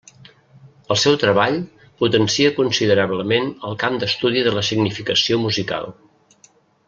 El seu treball potencia considerablement el camp d'estudi de la significació musical.